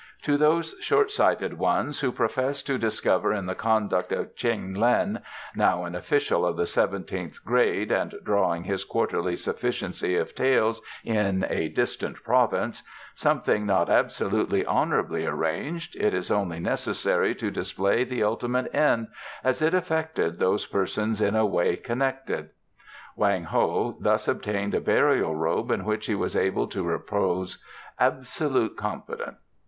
To those short sighted ones who profess to discover in the conduct of Cheng Lin (now an official of the seventeenth grade and drawing his quarterly sufficiency of taels in a distant province) something not absolutely honourably arranged, it is only necessary to display the ultimate end as it affected those persons in any way connected. Wang Ho thus obtained a burial robe in which he was able to repose absolute confidence.